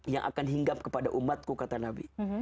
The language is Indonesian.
yang akan hinggap kepada umatku kata nabi